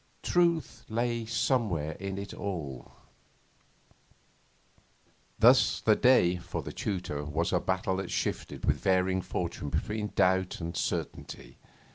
Truth lay somewhere in it all. Thus the day, for the tutor, was a battle that shifted with varying fortune between doubt and certainty.